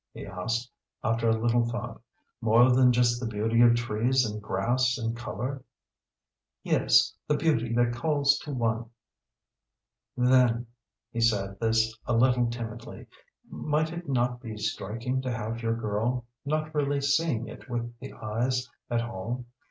he asked, after a little thought. "More than just the beauty of trees and grass and colour?" "Yes, the beauty that calls to one. "Then," he said this a little timidly "might it not be striking to have your girl, not really seeing it with the eyes at all?